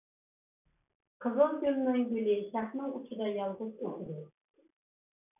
قىزىلگۈلنىڭ گۈلى شاخنىڭ ئۇچىدا يالغۇز ئۆسىدۇ.